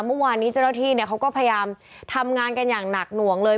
เมื่อวานนี้เจ้าหน้าที่เขาก็พยายามทำงานกันอย่างหนักหน่วงเลย